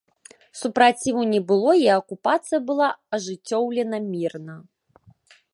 Супраціву не было, і акупацыя была ажыццёўлена мірна.